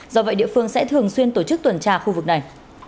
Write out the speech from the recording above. do vậy địa phương sẽ thường xuyên tổ chức tuần tra khu vực này